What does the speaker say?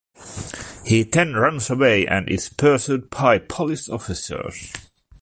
He then runs away and is pursued by police officers.